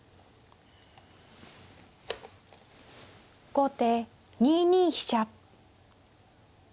後手２二飛車。